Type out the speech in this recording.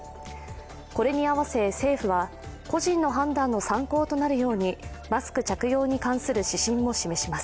これに合わせ政府は、個人の判断の参考となるようにマスク着用に関する指針も示します。